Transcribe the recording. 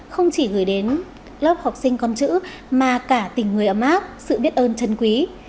không chỉ gửi đến lớp học sinh con chữ mà cả tình người ấm áp sự biết ơn chân quý